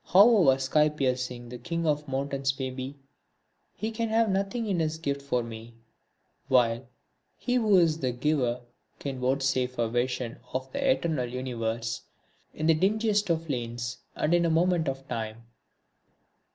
However sky piercing the king of mountains may be, he can have nothing in his gift for me; while He who is the Giver can vouchsafe a vision of the eternal universe in the dingiest of lanes, and in a moment of time.